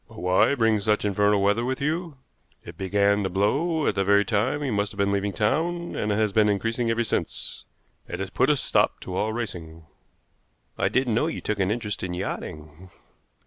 "But why bring such infernal weather with you? It began to blow at the very time you must have been leaving town, and has been increasing ever since. It has put a stop to all racing." "I didn't know you took an interest in yachting."